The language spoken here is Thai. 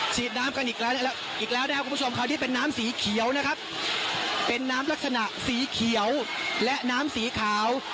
ฉีดน้ำกันอีกแล้วอีกแล้วนะครับคุณผู้ชมคราวนี้เป็นน้ำสีเขียวนะครับเป็นน้ำลักษณะสีเขียวและน้ำสีขาว